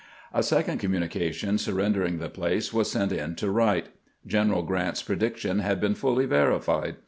A second communication surren dering the place was sent in to "Wright. General Grrant's prediction had been fuUy verified.